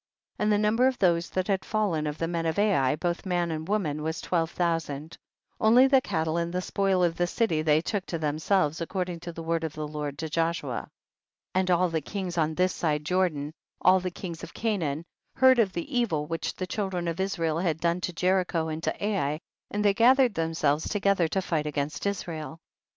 And the number of those that had fallen of the men of Ai, both man and woman, was twelve thousand; only the cattle and the spoil of the city they took to themselves, accord ing to the word of the Lord to Joshua. 49. And all the kings on this side Jordan, all the kings of Canaan, heard of the evil which the children of Israel had done to Jericho and to Ai, and they gathered themselves to gether to fight against Israel.